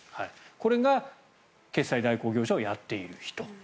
これが決済代行業者をやっている人。